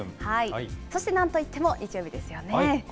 そしてなんといっても日曜日こちらですね。